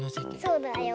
そうだよ。